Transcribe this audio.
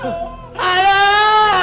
aduh aku terluka